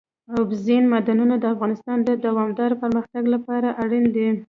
اوبزین معدنونه د افغانستان د دوامداره پرمختګ لپاره اړین دي.